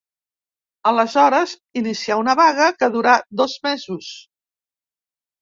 Aleshores, inicià una vaga que durà dos mesos.